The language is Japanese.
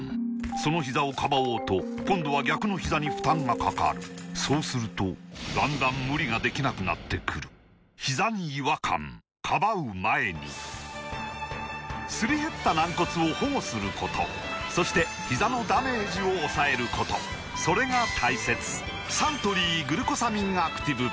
そのひざをかばおうと今度は逆のひざに負担がかかるそうするとだんだん無理ができなくなってくるすり減った軟骨を保護することそしてひざのダメージを抑えることそれが大切サントリー「グルコサミンアクティブ」